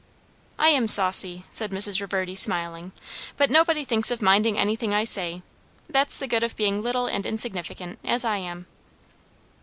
"I am saucy," said Mrs. Reverdy, smiling, "but nobody thinks of minding anything I say. That's the good of being little and insignificant, as I am."